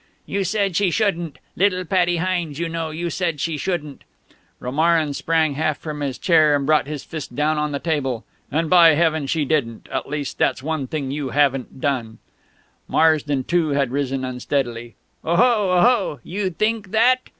"You said she shouldn't little Pattie Hines you know you said she shouldn't " Romarin sprang half from his chair, and brought his fist down on the table. "And by Heaven, she didn't! At least that's one thing you haven't done!" Marsden too had risen unsteadily. "Oho, oho? You think that?"